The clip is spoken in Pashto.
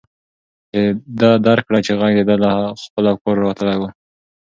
ده درک کړه چې غږ د ده له خپلو افکارو راوتلی و.